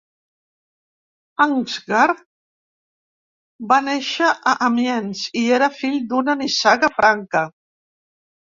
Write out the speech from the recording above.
Ansgar va néixer a Amiens i era fill d'una nissaga franca.